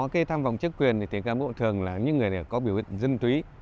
khi mà có tham vọng chức quyền thì cán bộ thường là những người có biểu hiện dân túy